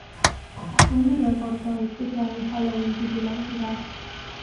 Un video corto especial de Halloween titulado "Gag!